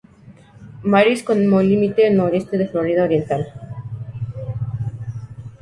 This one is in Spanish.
Marys como el límite noreste de Florida Oriental.